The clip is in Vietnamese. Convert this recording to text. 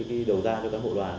cái đầu gian cho các hộ đoàn